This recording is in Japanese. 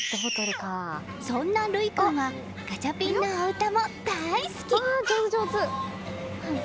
そんな琉生君はガチャピンのお歌も大好き！